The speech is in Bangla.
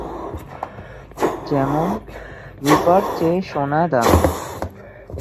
যেমনঃ রূপার চেয়ে সোনা দামী।